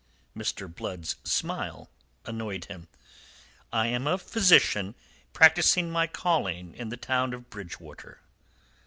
Mr. Blood's smile annoyed him. "I am a physician practising my calling in the town of Bridgewater."